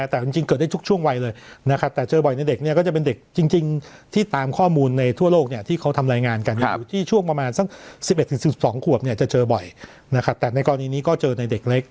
แต่จริงเกิดได้ทุกช่วงวัยเลยนะครับแต่เจอบ่อยในเด็กเนี่ยก็จะเป็นเด็กจริงที่ตามข้อมูลในทั่วโลกเนี่ยที่เขาทำรายงานกันอยู่ที่ช่วงประมาณสัก๑๑๑๑๒ขวบเนี่ยจะเจอบ่อยนะครับแต่ในกรณีนี้ก็เจอในเด็กเล็ก